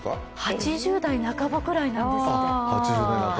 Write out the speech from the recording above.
８０代半ばぐらいなんですって。